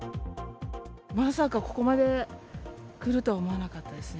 まさかここまで来るとは思わなかったですね。